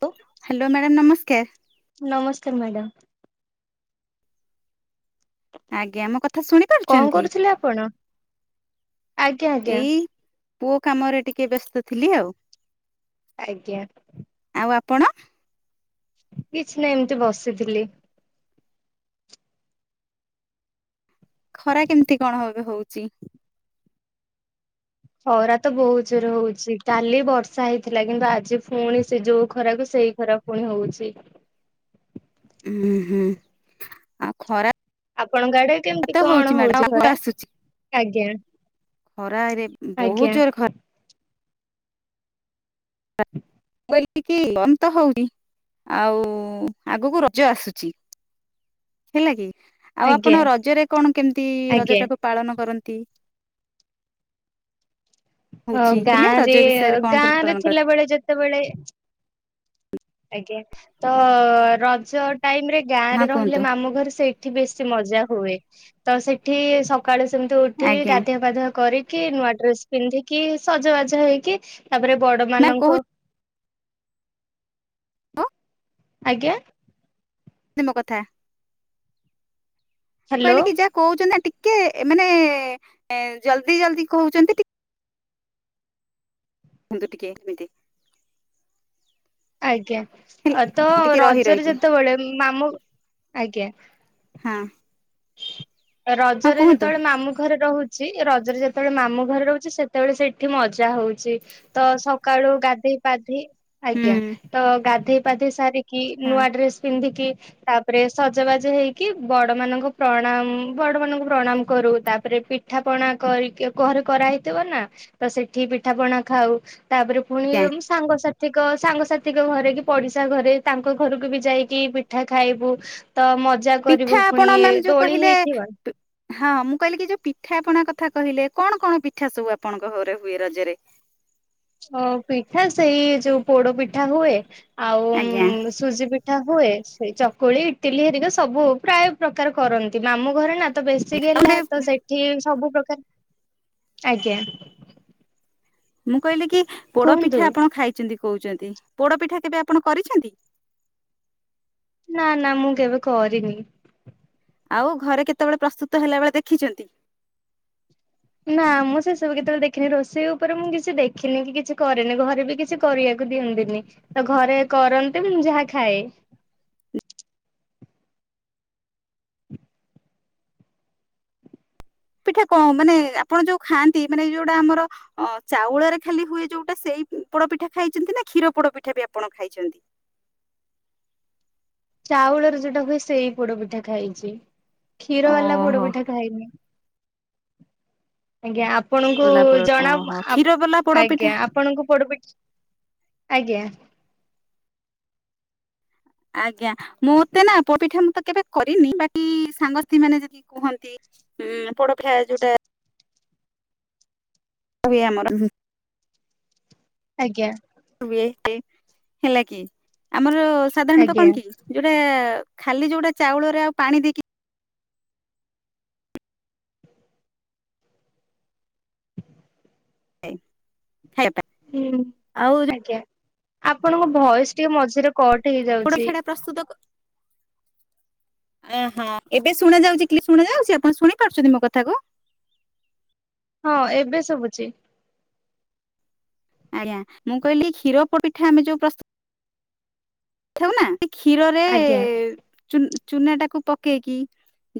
ହ hello madam ନମସ୍କାର। ନମସ୍କାର ମ୍ୟାଡ଼ମ୍। ଆଜ୍ଞା ମୋ କଥା ଶୁଣି କଣ ପାରୁଛନ୍ତି କରୁଥିଲେ ଆପଣ? ଆଜ୍ଞା ଆଜ୍ଞା। ଏଇ ପୁଅ କାମରେ ଟିକେ ବ୍ୟସ୍ତ ଥିଲି ଆଉ। ଆଜ୍ଞା। ଆଉ ଆପଣ? କିଛି ନାଇଁ ଏମତି ବସିଥିଲି। ଖରା କେମତି କଣ ହଗ ହଉଚି? ଖରା ତ ବହୁତ ଜୋରେ ହଉଚି କାଲି ବର୍ଷା ହେଇଥିଲା କିନ୍ତୁ ଆଜି ଫୁଣି ସେ ଯୋଉ ଖରାକୁ ସେଇ ଖରା। ପୁଣି ହଉଛି ଉଁ ହୁଁ। ଆଉ ଖରା ଆପଣଙ୍କ ଆଡ଼େ କେମତି ତ ହଉଛି କଣ ମ୍ୟାଡାମ ହଉଚି ଆଉ ଖରା? ଆଜ୍ଞା। ଖରା ରେ ବହୁତ ଆଜ୍ଞା ଜୋରେ ଖର୍ ହଁ ମୁଁ କହିଲି କି ବନ୍ଦ ତ ହଉନି ଆଉଁ ଆଗୁକୁ ରଜ ଆସୁଚି। ହେଲା କି ଆଉ ଆଜ୍ଞା ଆପଣ ରଜରେ କଣ କେମତି ଆଜ୍ଞା। ରଜ ଟାକୁ ପାଳନ କରନ୍ତି? ହହଁ ହଉଛି ହେଲେ ଗାଁ ରଜ ରେ ବିଷୟରେ କଣ ଗାଁ କେମିତି ରେ ପାଳନ କରନ୍ତି ଥିଲାବେଳେ ଯେତ ଯେତେବେଳ ଆଜ୍ଞା ତ ରଜ ଟାଇମ ରେ ହଁ ଗାଁରେ ରହିଲେ କୁହନ୍ତୁ ମାମୁଁ ଘରେ ସେଇଠି ବେଶୀ ମଜା ହୁଏ, ତ ସେଠି [unintelligible] ସକାଳୁ ସେମିତି ଉଠିକି ଆଜ୍ଞା ଗାଧୁଆ ପାଧୁଆ କରିକି ନୂଆ ଡ୍ରେସ ପିନ୍ଧିକି ସଜବାଜ ହେଇକି ତାପରେ ବଡ ମ୍ୟାମ ମାନଙ୍କୁ କହୁଛି ଆଜ୍ଞା। ତମ କଥା, ହ୍ୟାଲୋ କହିଲେ କି ଯା କହୁଛନ୍ତି ନା ଟିକେ ମାନେ ଜଲଦି ଜଲଦି କହୁଛନ୍ତି ଟି [unintelligible] ଟିକେ ଏମିତି ଆଜ୍ଞା ତ ଟିକେ ରହି ରଜରେ ରହିକି ଯେତେବେଳେ ମାମୁଁ ଆଜ୍ଞା ହଁ। ହଁ ରଜରେ କୁହନ୍ତୁ ଯେତେବେଳେ ମାମୁଁ ଘରେ ରହୁ ସେଇ ରଜରେ ଯେତେବେଳେ ମାମୁଁ ଘରେ ରହୁଛି ସେତେବେଳେ ସେଇଠି ମଜା ହଉଛି। ତ ସକାଳୁ ଗାଧଇ ପାଧେଇ ହୁଁ ଆଜ୍ଞା ତ ଗାଧେଇ ପାଧେଇ ସାରିକି ହଁ ନୂଆ ଆଜ୍ଞା ଡ୍ରେସ ପିନ୍ଧିକି ତା ପରେ ସଜବାଜ ହେଇକି ବଡ ମାନଙ୍କୁ ପ୍ରଣାମ ବଡ ମାନଙ୍କୁ ପ୍ରଣାମ କରୁ, ତାପରେ ପିଠା ପଣା କରିକି ଘରେ କରାହେଇଥିବ ନା। ତ ସେଠି ପିଠାପଣା ଖାଉ, ତାପରେ [unintelligible] ସାଙ୍ଗସାଥିଙ୍କ ସାଙ୍ଗସାଥିଙ୍କ ଘରେ କି ପଡିଶା ଘରେ ତାଙ୍କ ଘରକୁ ବି ଯାଇକି ପିଠା ଖାଇବୁ। ତ ମଜା କରିବୁ ପିଠା ଆପଣ ଫୁଣି। ମ୍ୟାମ ଯୋଉ କହିଲେ ହଁ ମୁଁ କହିଲି କି ଯୋଉ ପିଠାପଣା କଥା କହିଲେ କଣ କଣ ପିଠା ସବୁ ଆପଣଙ୍କ ଘରେ ହୁଏ ରଜରେ? ଓ ପିଠା ସେଇ ଯୋଉ ପୋଡ ପିଠା ହୁଏ, ଆଉ ଆଜ୍ଞା ସୁଜି ପି ଠା ହୁଏ ସେ ଚକୁଳି ଇଟିଲି ହେରିକା ସବୁ ପ୍ରାୟ ପ୍ରକାର କରନ୍ତି ମାମୁଁ ଘରେ ନା। ତ ବେଶୀ ଗେହ୍ଲା ତାପରେ ତ ସେଠି ସବୁ ପ୍ରକାର ଆଜ୍ଞା ମୁଁ କହିଲି କି ପୋଡ କୁହନ୍ତୁ ପିଠା ଆପଣ ଖାଇଛନ୍ତି କହୁଛନ୍ତି ପୋଡପିଠା କେବେ ଆପଣ କରିଛନ୍ତି? ନା ନା ମୁଁ କେବେ କରିନି। ଆଉ ଘରେ କେତେବେଳେ ପ୍ରସ୍ତୁତ ହେଲା ବେଳେ ଦେଖିଛନ୍ତି? ନା ମୁଁ ସେସବୁ କେତେବେଳେ ଦେଖିନି ରୋଷେଇ ଉପରେ ମୁଁ କିଛି ଦେଖିନି କିଛି କରିନି, ଘରେ ବି କିଛି କରିବାକୁ ଦିଅନ୍ତିନି, ତ ଘରେ କରନ୍ତି ମୁଁ ଯାହା ଖାଏ। ପିଠା କଣ ମାନେ ଆପଣ ଯୋଉ ଖାଆନ୍ତି ମାନେ ଯୋଉଟା ଆମର ଅ ଚାଉଳରେ ଖାଲି ହୁଏ ଯୋଉଟା ସେଇ ପୋଡପିଠା ଖାଇଛନ୍ତି, ନା କ୍ଷୀର ପୋଡପିଠା ବି ଆପଣ ଖାଇଛନ୍ତି? ଚାଉଳର ଯୋଉଟା ହୁଏ ସେଇ ପୋଡ ପିଠା ଖାଇଛି। କ୍ଷୀର ବାଲା ଓହୋ ପୋଡପିଠା ଖାଇନି। ଆଜ୍ଞା ଆପଣଙ୍କୁ ପୋଲା ପୋଡ ଜଣା ଓହୋ ଆପ କ୍ଷୀର ବାଲା ପୋଡପିଠା ଆଜ୍ଞା ଆପଣଙ୍କୁ ପୋଡ଼ ପିଠା- ଆଜ୍ଞା। ଆଜ୍ଞା ମୋତେ ନା ପୋଡ଼ ପିଠା ମୁଁ ତ କେବେ କରିନି, ବାକି ସାଙ୍ଗ ସାଥି ସି ମାନେ ଯଦି କୁହନ୍ତି ହୁଁ ପୋଡ଼ପିଠା ଯୋଉଟା ହୁଏ [unintelligible] ଆଜ୍ଞା। ହୁଏ ହେଲା କି ଆମର ସାଧାରଣତଃ ଆଜ୍ଞା କଣ କି? ଯୋଉଟା ଖାଲି ଯୋଉଟା ଚାଉଳରେ ଆଉ ପାଣି ଦେଇକି ଖ ଖାଇବା ପା ହୁଁ ଆଜ୍ଞା ଆପଣଙ୍କ ଭଏସ ଟିକେ ମଝିରେ କଟ ହେଇଯାଉଛି। ପୋଡପିଠା ଟା ପ୍ରସ୍ତୁତ ଅ ହଁ ଏବେ ଶୁଣାଯାଉଛି କ୍ଳିଅର ଶୁଣ ଯାଉଛି ଆପଣ ଶୁଣିପାରୁଛନ୍ତି ମୋ କଥାକୁ? ହଁ ଏବେ ସୁବୁଛି। ଆଜ୍ଞା ମୁଁ କହିଲି କ୍ଷୀର ପୋଡ଼୍ ପିଠା ଆମେ ଯୋଉ ପ୍ରସ୍ତୁତ ଥାଉ ନା ସେ କ୍ଷୀରରେ ଆଜ୍ଞା। ଉ ଚୁନ୍ ଚୁନା ଟାକୁ ପକେଇକି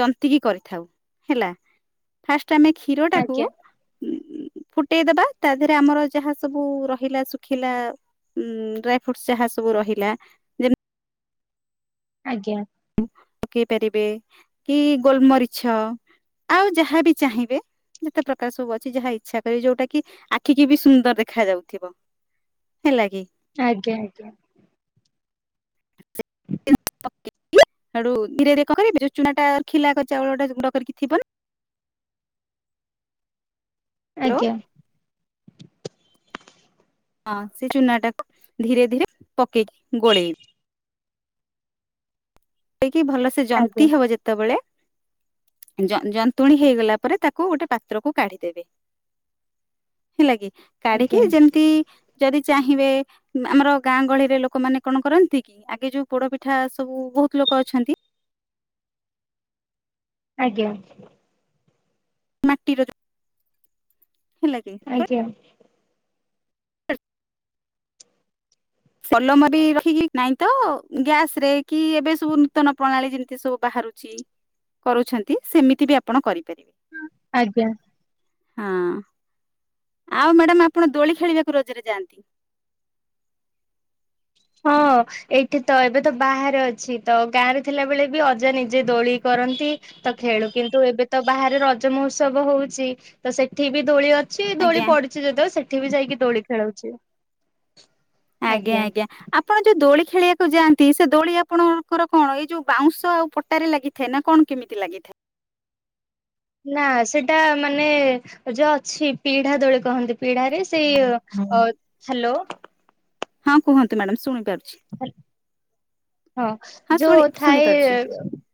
ଜନ୍ତିକି କରିଥାଉ ହେଲା। ଫାଷ୍ଟ ଆମେ କ୍ଷୀରଟାକୁ ଆଜ୍ଞା ଉ-ଉ ଫୁଟେଇଦବା ତା ଦେହରେ ଆମର ଯାହା ସବୁ ରହିଲା ଶୁଖିଲା ଉଁ-ଉ-ଉ ଡ୍ରାଇ ଫ୍ରୁଟ ଯାହା ସବୁ ରହିଲା ଯେମି ଆଜ୍ଞା। ପକେଇ ପାରିବେ କି ଗୋଲମରିଛ ଆଉ ଯାହାବି ଚାହିଁବେ ଯେତେ ପ୍ରକାର ସବୁ ଅଛି ଯାହା ଇଚ୍ଛା କରିବେ ଯୋଉଟା କି ଆଖିକି ବି ସୁନ୍ଦର ଦେଖା ଯାଉଥିବ। ହେଲା କି। ଆଜ୍ଞା ଆଜ୍ଞା। ପକେଇକି ସେଇଡୁ ଧୀରେ ଧୀରେ କଣ କରିବେ ଯୋଉ ଚୁନା ଟା ଖିଲା କର ଚାଉଳ ଟା ଯ ଗୁଣ୍ଡ କରିକି ଥିବ ହାଲୋ ଆଜ୍ଞା। ହଁ ସେ ଚୁନା ଟାକୁ ଧୀରେ ଧୀରେ ପକେଇକି ଗୋଳେଇ କି ଭଲ ସେ ଆଜ୍ଞା ଜନ୍ତି ହବ ଯେତେବେଳେ ଜ ଜନ୍ତୁଣୀ ହେଇଗଲା ପରେ ତାକୁ ଗୋଟେ ପାତ୍ର କୁ କାଢିଦେବେ। ହେଲା କି କାଢିକି ଆଜ୍ଞା ଯେମିତି ଯଦି ଚାହିଁବେ ଆମର ଗାଁ ଗହଳିରେ ଲୋକମାନେ କଣ କରନ୍ତି କି ଆଗେ ଯୋଉ ପୋଡପିଠା ସବୁ ବହୁତ ଲୋକ ଅଛନ୍ତି ଆଜ୍ଞା। ମାଟିର ହେଲା କି ଆଜ୍ଞା [inaudible] କଲମ ବି ରହିକି ନାଇଁ ତ-ଅ-ଅ ଗ୍ୟାସ ରେ କି ଏବେ ସବୁ ନୂତନ ପ୍ରଣାଳୀ ଯେମିତି ସବୁ ବାହାରୁଛି କରୁଛନ୍ତି ସେମିତି ବି ଆପଣ କରିପାରିବେ। ଆଜ୍ଞା। ହଁ ଆଉ ମ୍ୟାଡ଼ାମ ଆପଣ ଦୋଳି ଖେଳିବାକୁ ରଜରେ ଯାଆନ୍ତି? ହଁ। ଏଇଠି ତ ଏବେ ତ ବାହାରେ ଅଛି ତ ଗାଁରେ ଥିଲା ବେଳେ ବି ଅଜା ନିଜେ ଦୋଳି କରନ୍ତି। ତ ଖେଳୁ କିନ୍ତୁ ଏବେ ତ ବାହାରେ ରଜ ମହୋତ୍ସବ ହଉଛି ତ ସେଠି ବି ଦୋଳି ଅ ଛି ଦୋଳି ଆଜ୍ଞା ପଡିଛି ଯଦିଓ ସେଠି ବି ଯାଇକି ଦୋଳି ଖେଳଉଛି। ଆଜ୍ଞା ଆଜ୍ଞା। ଆପଣ ଯୋଉ ଦୋଳି ଖେଳିଆକୁ ଯାଆନ୍ତି ସେ ଦୋଳି ଆପଣଙ୍କର କଣ ଏଇ ଯୋଉ ବାଉଁଶ ଆଉ ପଟାରେ ଲାଗି ଥାଏ ନା କଣ କେମିତି ଲାଗିଥାଏ? ନା ସେଟା ମାନେ-ଏ-ଏ ଯୋଉ ଅଛି ପିଢା ଦୋଳି କହନ୍ତି ପିଢାରେ ସେଇ ଅ ହ୍ୟାଲୋ ହଁ କୁହନ୍ତୁ ମ୍ୟାଡାମ ଶୁଣିପାରୁଛି। [unintelligible] ହଁ ଶୁଣି ଯୋଉ ଶୁଣିପାରୁଛି ଥାଏ-ଏ-ଏ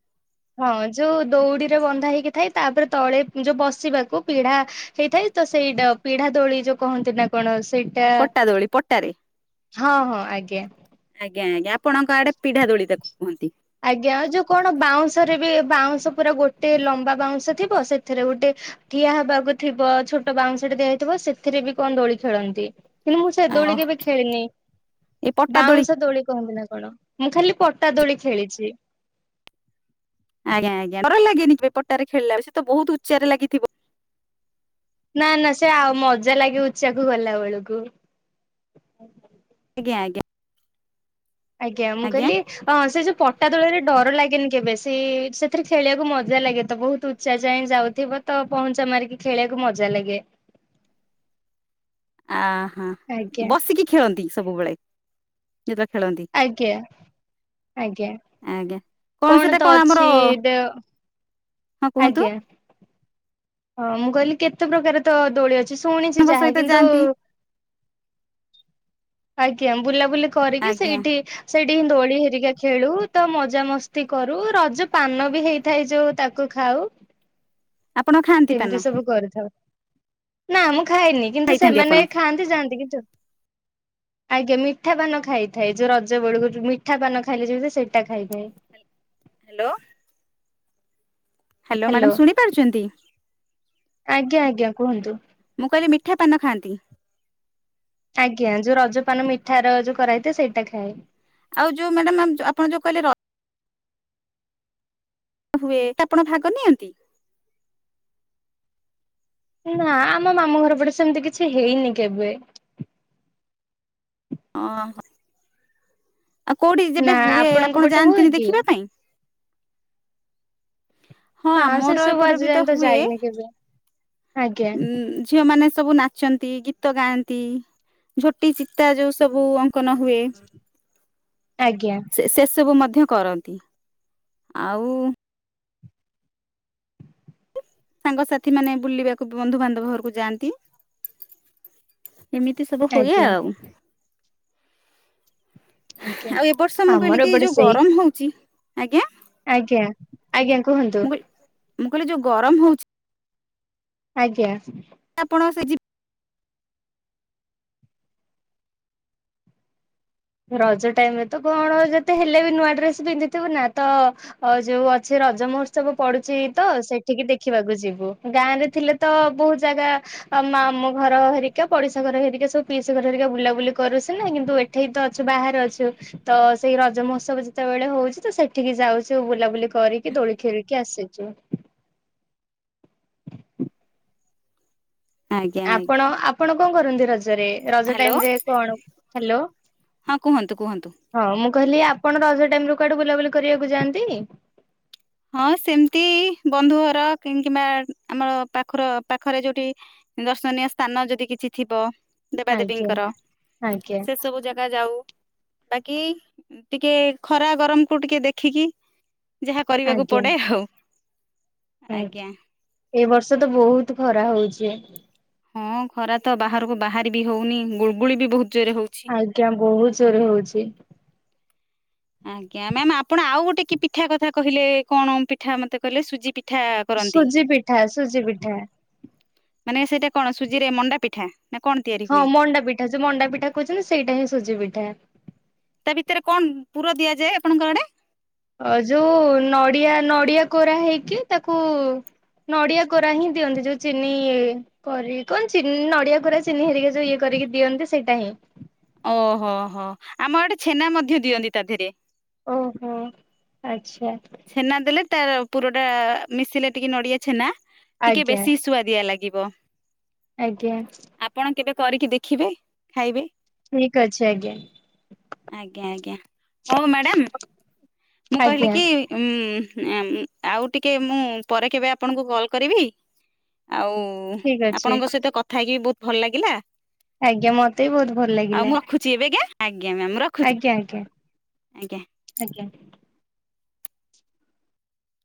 [inaudible] ହଁ ଯୋଉ ଦଉଡ଼ିରେ ବନ୍ଧା ହେଇକି ଥାଏ ତାପରେ ତଳେ ଯୋଉ ବସିବାକୁ ପିଢା ହେଇଥାଏ ତ ସେଇଟା ପିଢା ଦୋଳି ଯୋଉ କହନ୍ତି ନା କଣ ସେଇଟା ପଟା ଦୋଳି ପଟାରେ। ହଁ ହଁ ଆଜ୍ଞା ଆଜ୍ଞ ଆଜ୍ଞା ଆପଣଙ୍କ ଆଡେ ପିଢା ଦୋଳି ତାକୁ କୁହନ୍ତି? ଆଜ୍ଞା ଯୋଉ କଣ ବାଉଁଶରେ ବି ବାଉଁଶ ପୁରା ଗୋଟେ ଲମ୍ବା ବାଉଁଶ ଥିବ ସେଥିରେ ଗୋଟେ ଠିଆ ହବାକୁ ଥିବ ଛୋଟ ବାଉଁଶ ଟେ ଦିଆଯାଇଥିବ ସେଥିରେ ବି କଣ ଦୋଳି ଖେଳନ୍ତି। କିନ୍ତୁ ମୁଁ ସେ ଅ ଦୋଳି କେବେ ଖେଳିନି ଏ ପଟା ବାଉଁଶ ଦୋଳି କହବନ୍ତି ନା କଣ ମୁଁ ଖାଲି ପଟା ଦୋଳି ଖେଳିଛି। ଆଜ୍ଞା ଆଜ୍ଞା ଡର ଲାଗେନି କେ ପଟାରେ ଖେଳିଲା ସେ ତ ବହୁତ ଉଚ୍ଚାରେ ଲାଗିଥିବ। ନା ନା ସେ ଆଉ ମଜା ଲାଗେ ଉଚ୍ଚାକୁ ଗଲା ବେଳକୁ। ଆଜ୍ଞା ଆଜ୍ଞା। ଆଜ୍ଞା ମୁଁ କହିଲି ହଁ ସେ ଯୋଉ ପଟା ଦୋଳରେ ଡର ଲାଗେନି କେବେ ସେ ସେଥିରେ ଖେଳିବାକୁ ମଜା ଲାଗେ ତ ବହୁତ ଉଚ୍ଚା ଯାଏ ଯାଉଥିବ ତ ପହଞ୍ଚା ମାରିକି ଖେଳିବାକୁ ମଜା ଲାଗେ। ଆହ ଆଜ୍ଞା ବସିକି ଖେଳନ୍ତି ସବୁବେଳେ ଯେତେବେଳେ ଖେଳନ୍ତି? ଆଜ୍ଞା ଆଜ୍ଞା। ଆଜ୍ଞା କଣ ସେଟା ତ କଣ ଅଛି ଆମର ଦେ ହଁ କୁହନ୍ତୁ ଆଜ୍ଞା। ହଁ ମୁଁ କହିଲି କେତେ ପ୍ରକାର ତ ଦୋଳି ଅଛି ଶୁଣିଛି ଙ୍କ ଯାହା ସହିତ କିନ୍ତୁ ଯାଆନ୍ତି ଆଜ୍ଞା ବୁଲାବୁଲି କରିକି ଆଜ୍ଞା ସେଇଠି ସେଇଠିି ଦୋଳି ହେରିକା ଖେଳୁ ତ ମଜା ମସ୍ତି କରୁ ରଜ ପାନ ବି ହେଇଥାଏ ଯୋଉ ତାକୁ ଖାଉ। ଆପଣ ଖାଆନ୍ତି ପାନ ଏମିତି ସବୁ କରିଥାଉ ନା ମୁଁ ଖାଇନି କିନ୍ତୁ ଖାଇଥାନ୍ତି ଆପଣ ସେମାନେ ଖାଆନ୍ତି ଯାଆନ୍ତି କିନ୍ତୁ ଆଜ୍ଞା ମିଠା ପାନ ଖାଇଥାଏ ଯୋଉ ରଜ ବେଳକୁ ଯୋଉ ମିଠା ପାନ ଖାଇଲେ ଯେମିତି ସେଇଟା ଖାଇଥାଏ। ହ୍ୟାଲୋ ହ୍ୟାଲୋ ମ୍ୟାଡାମ ଶୁଣି ପାରୁଛନ୍ତି? ଆଜ୍ଞା ଆଜ୍ଞା କୁହନ୍ତୁ। ମୁଁ କହିଲି ମିଠା ପାନ ଖାଆନ୍ତି। ଆଜ୍ଞା ଯୋଉ ରଜପାନ ମିଠା ର ଯୋଉ କରା ହେଇଥାଏ ସେଇଟା ଖାଏ। ଆଉ ଯୋଉ ମ୍ୟାଡାମ ଆପଣ ଯୋଉ କହିଲେ ର ହୁଏ ଆପଣ ଭାଗ ନିଅନ୍ତି? ନା ଆମ ମାମୁଁ ଘର ପଟେ ସେମିତି କିଛି ହେଇନି କେବେ। ଓହ ଆଉ କୋଉଠି ଯେବେ ନା ହୁଏ ଆପଣଙ୍କ ଆପଣ ପଟେ ହୁଏ ଯାଆନ୍ତିନି କି? ଦେଖିବା ପାଇଁ? ହଁ ନା ସେ ଆମର ସବୁ ଏପଟ ରେ ଆଜି ବି ତ ଯାଏ ହୁଏ। ଯାଇନି କେବେ ଆଜ୍ଞା ଉଁ ଝିଅ ମାନ ସବୁ ନାଚନ୍ତି ଗୀତ ଗାଆନ୍ତି ଝୋଟି ଚିତା ଯଉ ସବୁ ଅ ଙ୍କନ ହୁଏ ଆଜ୍ଞା ସେ ସେ ସବୁ ମଧ୍ୟ କର ନ୍ତି। ଆଉ ସାଙ୍ଗସାଥି ମାନେ ବୁଲିବାକୁ ବନ୍ଧୁ ବାନ୍ଧବ ଘରକୁ ଯାଆନ୍ତି। ଏମିତି ସବୁ ହୁଏ ଆଜ୍ଞା ଆଉ। ଆଜ୍ଞା। ଆଉ ଏ ବର୍ଷ ମୁଁ କହିଲି ଆମର କି ଏପଟେ ଯୋଉ ସେଇ ଗରମ ହଉଚି। ଆଜ୍ଞା ଆଜ୍ଞା ଆଜ୍ଞା କୁହନ୍ତୁ। ମୁଁ କହିଲି ମୁଁ କହିଲି ଯୋଉ ଗରମ ହଉଚି ଆଜ୍ଞା। ଆପଣ ସେ ଯିବ ରଜ ଟାଇମ ରେ ତ କଣ ଯେତେ ହେଲେ ବି ନୂଆ ଡ୍ରେସ ପିନ୍ଧିଥିବୁ ନା ତ ଅ ଯୋଉ ଅଛି ରଜ ମହୋତ୍ସବ ପଡୁଚି ତ ସେଠିକି ଦେଖିବାକୁ ଯିବୁ। ଗାଁ ରେ ଥିଲେ ତ ବହୁତ ଜାଗା ଅ ମାମୁଁ ଘର ହେରିକା ପଡିଶା ଘର ହେରିକା ସବୁ ପିଇସି ଘର ହେରିକା ବୁଲାବୁଲି କରୁ ସିନା କିନ୍ତୁ ଏଠେଇ ତ ଅଛୁ ବାହାରେ ଅଛୁ। ତ ସେଇ ରଜ ମହୋତ୍ସବ ଯେତେବେଳେ ହଉଚି ତ ସେଠିକି ଯାଉଚୁ ବୁଲାବୁଲି କରିକି ଦୋଳି ଖେଳିକି ଆସିଚୁ। ଆଜ୍ଞା ଆଜ୍ଞା ଆପଣ ଆପଣ କଣ କରନ୍ତି ରଜରେ? ରଜ ହ୍ୟାଲୋ ଟାଇମ ରେ କଣ ହ୍ୟାଲୋ। ହଁ କୁହନ୍ତୁ କୁହନ୍ତୁ। ହଁ ମୁଁ କହିଲି ଆପଣ ରଜ ଟାଇମରେ କୁଆଡେ ବୁଲାବୁଲି କରିଆକୁ ଯାଆନ୍ତି? ହଁ ସେମିତି ବନ୍ଧୁ ଘର କି କିମ୍ବା ଆମର ପାଖର ପାଖରେ ଯୋଉଠି ଦର୍ଶନୀୟ ସ୍ଥାନ ଯଦି କିଛି ଥିବ ଦେବା ଆଜ୍ଞା ଦେବୀଙ୍କର ଆଜ୍ଞା। ସେ ସବୁ ଜାଗା ଯାଉ। ବାକି ଟିକେ ଖରା ଗରମକୁୁ ଟିକେ ଦେଖିକି। ଯାହା କରିବାକୁ ଆଜ୍ଞା ପଡେ ଆଉ। ଆଜ୍ଞା ଏ ବର୍ଷ ତ ବହୁତ ଖରା ହଉଚି। ହଁ ଖରା ତ ବାହାରକୁ ବାହାରି ବି ହଉନି ଗୁଳଗୁଳି ବି ବହୁତ ଜୋରେ ହଉଚି। ଆଜ୍ଞା ବହୁତ ଜୋରେ ହଉଚି। ଆଜ୍ଞା ମ୍ୟାମ୍ ଆପଣ ଆଉ ଗୋଟେ କି ପିଠା କଥା କହିଲେ କଣ ପିଠା ମତେ କହିଲେ ସୁଜି ପି ଠା କରନ୍ତି। ସୁଜି ପିଠା ସୁଜି ପିଠା। ମାନେ ସେଇଟା କଣ ସୁଜି ରେ ମଣ୍ଡା ପିଠା। ନା କଣ ତିଆରି ହଁ ହୁଏ? ମଣ୍ଡା ପିଠା ଯୋଉ ମଣ୍ଡା ପିଠା କହୁଛନ୍ତି ସେଇଟା ହିଁ ସୁଜି ପିଠା। ତା ଭିତରେ କଣ ପୁର ଦିଆଯାଏ ଆପଣଙ୍କ ଆଡେ? ଅ ଯୋଉ ନଡିଆ ନଡିଆ କୋରା ହେଇକି ତାକୁ ନଡିଆ କୋରା ହିଁ ଦିଅନ୍ତି ଯୋଉ ଚିନି ଇଏ କରିକି କ ଚିନି ନଡିଆ କୋରା ଚିନି ହେରିକା ଯୋଉ ଇଏ କରିକି ଦିଅନ୍ତି ସେଇଟା ହିଁ। ଓହୋ ହୋ ଆମ ଆଡେ ଛେନା ମଧ୍ୟ ଦିଅନ୍ତି ତା ଦେହରେ। ଓହୋ ଆଚ୍ଛା। ଛେନା ଦେଲେ ତାର ପୁରଟା ମିଶିଲେ ଟିକେ ନଡିଆ ଛେନା ଟିକେ ଆଜ୍ଞା ବେଶି ସୁୁଆଦିଆ ଲାଗ ଗିବ। ଆଜ୍ଞା। ଆପଣ କେବେ କରିକି ଦେଖିବେ ଖାଇବେ। ଠିକ ଅଛି ଆଜ୍ଞା। ଆଜ୍ଞା ଆଜ୍ଞା ହଉ ମ୍ୟାଡାମ ମୁଁ କହିଲି ଆଜ୍ଞା କି ଉ ଆଉ ଟିକେ ମୁଁ ପରେ କେବେ ଆପଣଙ୍କୁ କଲ୍ କରିବି ଆଉ ଠିକ ଅଛି ଆପଣଙ୍କ ସହିତ କଥା ହେଇକି ବହୁତ ଭଲ ଲାଗିଲା। ଆଜ୍ଞା ମତେ ବି ବହୁତ ଭଲ ଲାଗିଲା। [unintelligible] ଆଜ୍ଞା୍ ମ୍ୟାୟାମ ର ଆଜ୍ଞା ଆଜ୍ଞା ଆଜ୍ଞା।